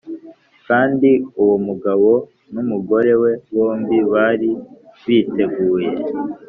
Kandi uwo mugabo n umugore we bombi bari biteguye